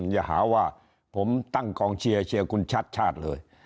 อย่าหาว่าผมตั้งกองเชียร์เชียร์คุณชัดชาติเลย